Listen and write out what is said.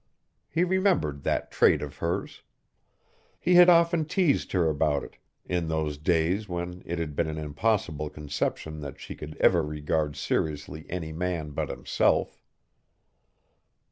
He remembered that trait of hers. He had often teased her about it in those days when it had been an impossible conception that she could ever regard seriously any man but himself.